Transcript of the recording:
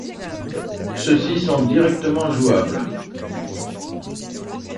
Ceux-ci sont directement jouables.